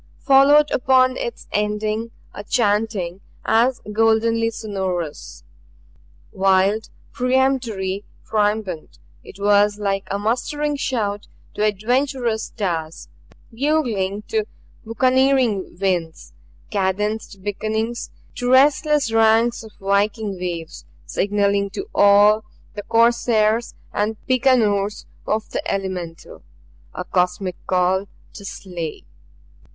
Followed upon its ending, a chanting as goldenly sonorous. Wild, peremptory, triumphant. It was like a mustering shouting to adventurous stars, buglings to buccaneering winds, cadenced beckonings to restless ranks of viking waves, signaling to all the corsairs and picaroons of the elemental. A cosmic call to slay!